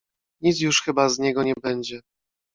"Nic już chyba z niego nie będzie."